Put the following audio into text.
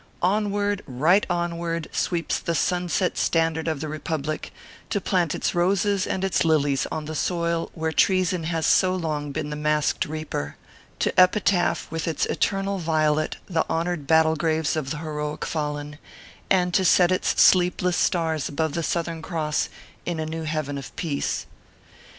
Onward, right onward, sweeps the Sunset Standard of the Kepublic, to plant its Hoses and its Lilies on the soil where Treason has so long been the masked reaper ; to epitaph with its eternal Violet the honored battle graves of the heroic fallen, and to set its sleepless Stars above the Southern Cross in a new Heaven of Peace.